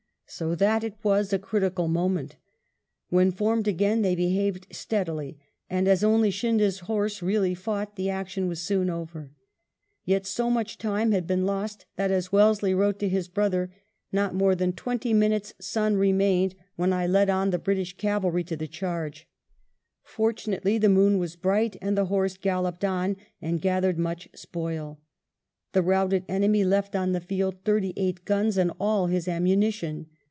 So that it was a critical moment When formed again they be haved steadily, and as only Scindia's horse really fought, the action was soon over. Yet so much time had been lost that, as Wellesley wrote to his brother, '* not more than twenty minutes' sun remained when I led on 8o WELLINGTON chap. the British cavahy to the charge/' Fortunately the moon was bright, and the horse galloped on and gathered much spoil. The routed enemy left on the field thirty eight guns and all his ammuiiition.